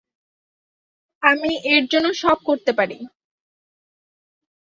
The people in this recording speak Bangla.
আমি এর জন্য সব করতে পারি।